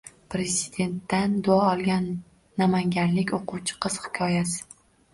Prezidentdan duo olgan namanganlik o‘quvchi qiz hikoyasi